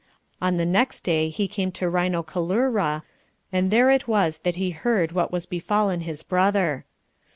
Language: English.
On the next day he came to Rhinocolura, and there it was that he heard what was befallen his brother.